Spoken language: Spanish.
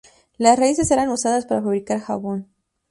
Las raíces eran usadas para fabricar jabón.